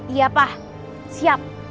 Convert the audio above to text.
iya pak siap